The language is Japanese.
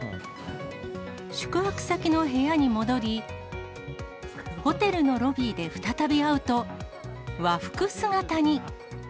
宿泊先の部屋に戻り、ホテルのロビーで再び会うと、和服姿に。